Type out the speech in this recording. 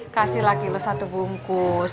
kasih laki lo satu bungkus